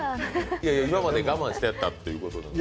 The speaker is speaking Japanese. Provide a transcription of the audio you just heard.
今まで我慢してたっていうことで。